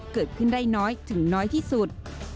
เกิดขึ้นได้น้อยถึงน้อยที่สุด